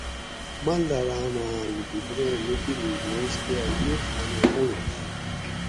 مالداراناں لوکوٹوریں نوکری ہوئنش تے اجمیر خانیں نہ ہوئنش